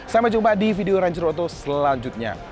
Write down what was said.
sampai jumpa di video ranjur oto selanjutnya